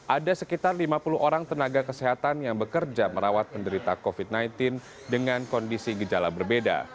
ada sekitar lima puluh orang tenaga kesehatan yang bekerja merawat penderita covid sembilan belas dengan kondisi gejala berbeda